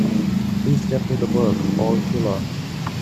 Please get me the work, All Killer.